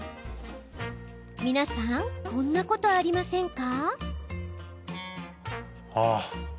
皆さんこんなことありませんか？